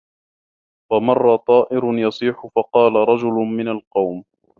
فَمَرَّ طَائِرٌ يَصِيحُ فَقَالَ رَجُلٌ مِنْ الْقَوْمِ